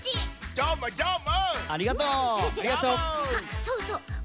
どーもどーも！